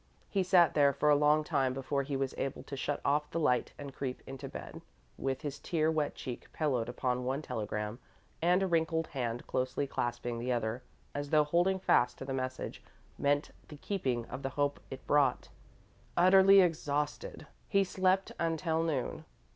He sat there for a long time before he was able to shut off the light and creep into bed, with his tear wet cheek pillowed upon one telegram, and a wrinkled hand closely clasping the other, as though holding fast to the message meant the keeping of the hope it brought. Utterly exhausted, he slept until noon.